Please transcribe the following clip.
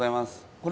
これ？